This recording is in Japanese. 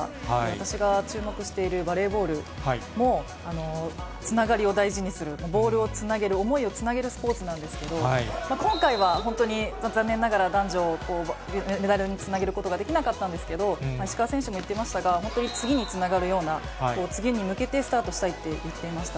私が注目しているバレーボールも、つながりを大事にする、ボールをつなげる、思いをつなげるスポーツなんですけど、今回は本当に残念ながら男女、メダルにつなげることができなかったんですけど、石川選手も言ってましたが、本当に次につながるような、次に向けてスタートしたいって言ってました。